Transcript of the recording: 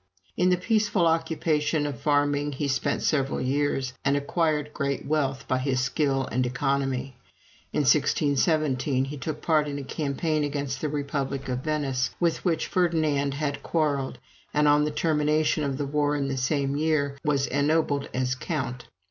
In the peaceful occupation of farming he spent several years, and acquired great wealth by his skill and economy. In 1617, he took part in a campaign against the republic of Venice, with which Ferdinand had quarreled, and, on the termination of the war in the same year, was ennobled as Count.